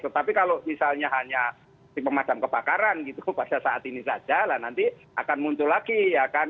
tetapi kalau misalnya hanya si pemadam kebakaran gitu pada saat ini saja lah nanti akan muncul lagi ya kan